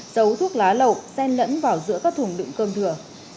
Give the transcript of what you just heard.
dấu thuốc lá lậu xen lẫn vào giữa các thùng đựng cơm thừa